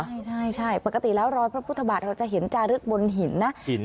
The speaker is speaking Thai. ใช่ใช่ปกติแล้วรอยพระพุทธบาทเราจะเห็นจารึกบนหินนะ